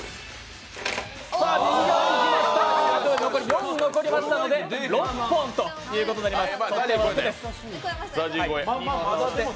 ４本残りましたので、６本ということになります。